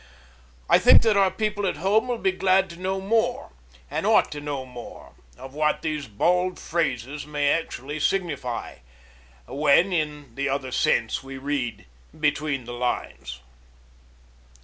I think that our people at Home will be glad to know more, and ought to know more, of what these bald phrases may actually signify, when, in the other sense, we read 'between the lines.'